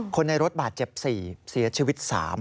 คนในรถบาดเจ็บ๔เสียชีวิต๓